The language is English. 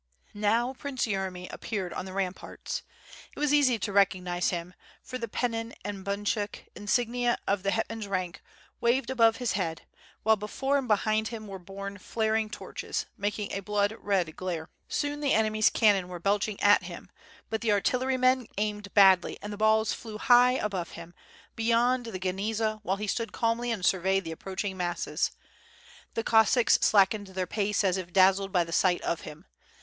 Now Prince Yeremy appeared on the ramparts. It was easy to recognize him, for the pennon and bunchuk, insignia of the hetman's rank, waved above his head, while before and behind him were borne flaring torches, making a blood red glare. Soon the eneray^s cannon were belching at him, but the artillery men aimed badly and the balls flew high above him, beyond the Gniezna, while he stood calmly and surveyed the approaching masses. The Cossacks slackened their pace as if dazzled by the sight of him.